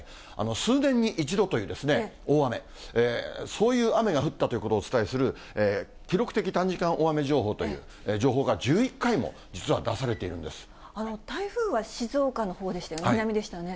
数年に一度という大雨、そういう雨が降ったということをお伝えする、記録的短時間大雨情報という情報が１１回も実は出されているんで台風は静岡のほうでしたよね、南でしたよね。